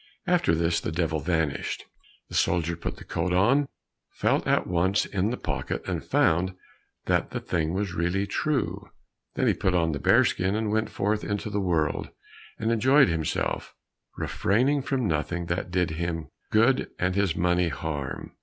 After this the Devil vanished. The soldier put the coat on, felt at once in the pocket, and found that the thing was really true. Then he put on the bearskin and went forth into the world, and enjoyed himself, refraining from nothing that did him good and his money harm.